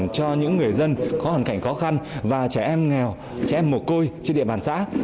cho những người dân có hoàn cảnh khó khăn và trẻ em nghèo trẻ mồ côi trên địa bàn xã